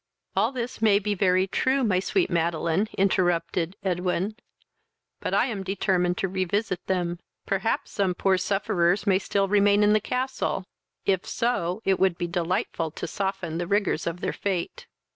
"All this may be very true, my sweet Madeline, (interrupted Edwin,) but I am determined to re visit them. Perhaps some poor sufferers may still remain in the castle; if so, it would be delightful to soften the rigours of their fate."